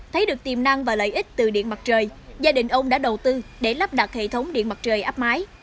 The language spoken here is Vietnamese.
thấy được tiềm năng và lợi ích từ điện mặt trời gia đình ông đã đầu tư để lắp đặt hệ thống điện mặt trời áp mái